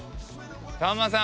さんまさん。